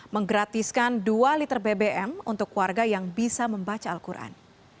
menggratiskan dua liter bbm untuk warga yang bisa membaca al quran